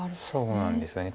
そうなんですよね。